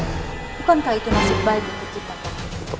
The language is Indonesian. bukankah itu nasib baik untuk kita pak